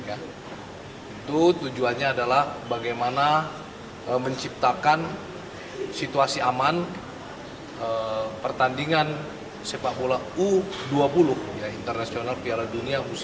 itu tujuannya adalah bagaimana menciptakan situasi aman pertandingan sepak bola u dua puluh internasional piala dunia u sembilan belas